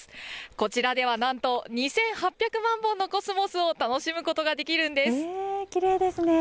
こちらではなんと２８００万本のコスモスを楽しむことができるんきれいですね。